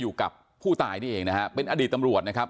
อยู่กับผู้ตายนี่เองนะฮะเป็นอดีตตำรวจนะครับ